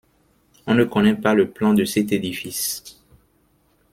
On ne connaît pas le plan de cet édifice.